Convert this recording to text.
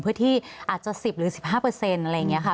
เพื่อที่อาจจะ๑๐หรือ๑๕อะไรอย่างนี้ค่ะ